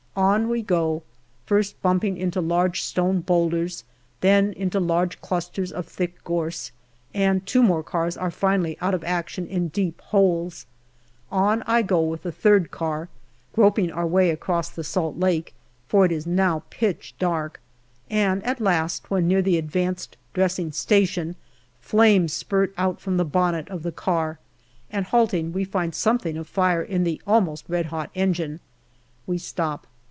On we go, first bumping into large stone boulders, then into large clusters of thick gorse, and two more cars are finally out of action in deep holes. On I go with the third car, groping our way across the Salt Lake, for it is now pitch dark, and at last, when near the advanced dressing station, flames spurt out from the bonnet of the car, and halting, we find something afire in the almost red hot engine. We stop.